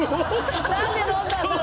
なんで飲んだんだろう？